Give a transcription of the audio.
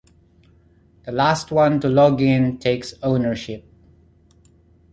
The last one to log in takes ownership.